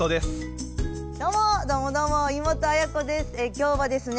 今日はですね